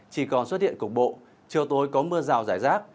chỉ còn xuất hiện cục bộ chiều tối có mưa rào rải rác